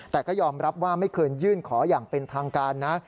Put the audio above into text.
แต่ก็ยอมรับว่าไม่เคยยื่นขออย่างเป็นทางการนะ